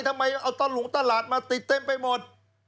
ทำไมเอาตะหลุงตลาดมาติดเต็มไปหมด